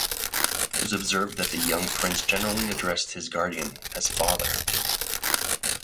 It was observed that the young prince generally addressed his guardian as "Father".